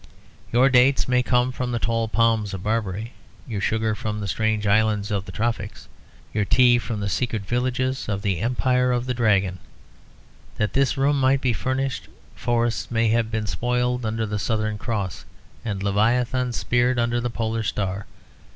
Your dates may come from the tall palms of Barbary, your sugar from the strange islands of the tropics, your tea from the secret villages of the Empire of the Dragon. That this room might be furnished, forests may have been spoiled under the Southern Cross, and leviathans speared under the Polar Star.